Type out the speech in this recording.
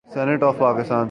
Senate of Pakistan سے۔